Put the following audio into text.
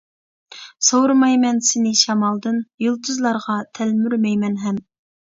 سورىمايمەن سېنى شامالدىن، يۇلتۇزلارغا تەلمۈرمەيمەن ھەم.